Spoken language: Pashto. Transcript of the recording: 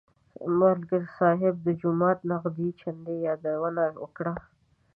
ملک صاحب د جومات نغدې چندې یادونه وکړه.